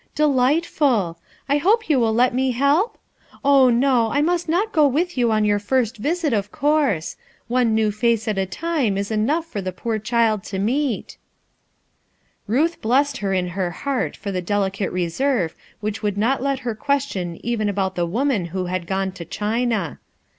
Delightful! I hope you will let me help? Oh, no, I must not go with you on your first visit, of course. One new face at a time is enough for the poor child to meet," THEY HATED MYSTERY 263 Ruth blessed her In her heart for the delicate reserve which would not let her question even about the woman who had gone to China.